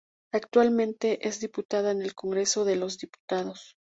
Actualmente es diputada en el Congreso de los Diputados.